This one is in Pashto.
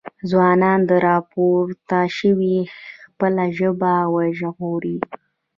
ځوانانو راپورته شئ خپله ژبه وژغورئ۔